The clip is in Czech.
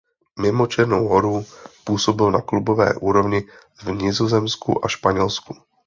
Mimo Černou Horu působil na klubové úrovni v Nizozemsku a Španělsku.